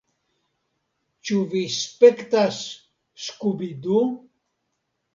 Ĉu vi spektas Skubi Du?